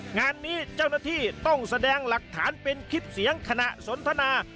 งานนี้เจ้าหน้าที่ต้องแสดงหลักฐานเป็นคลิปเสียงขณะสนทนา